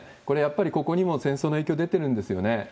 これ、やっぱりここにも戦争の影響出てるんですよね。